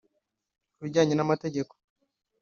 Ku bijyanye n’amategeko